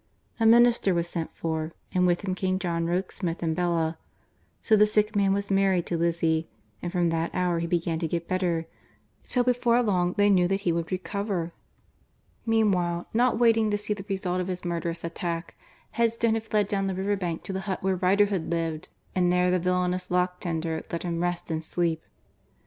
A minister was sent for, and with him came John Rokesmith and Bella. So the sick man was married to Lizzie, and from that hour he began to get better, till before long they knew that he would recover. Meanwhile, not waiting to see the result of his murderous attack, Headstone had fled down the river bank to the hut where Riderhood lived and there the villainous lock tender let him rest and sleep.